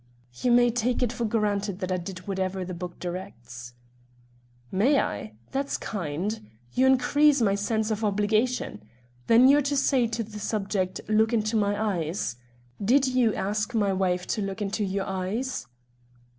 "You may take it for granted that I did whatever the book directs." "May I? That's kind. You increase my sense of obligation. Then you're to say to the subject, 'Look into my eyes.' Did you ask my wife to look into your eyes?"